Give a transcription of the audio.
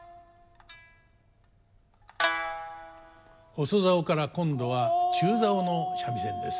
細棹から今度は中棹の三味線です。